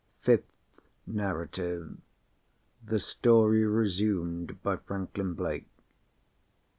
FIFTH NARRATIVE. _The Story resumed by Franklin Blake.